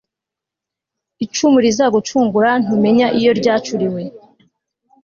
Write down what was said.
icumu rizagucungura ntumenya iyo ryacuriwe